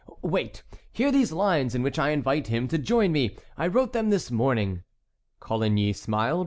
Wait! Hear these lines in which I invite him to join me; I wrote them this morning." Coligny smiled.